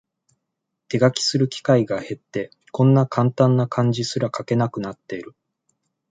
手書きする機会が減って、こんなカンタンな漢字すら書けなくなってる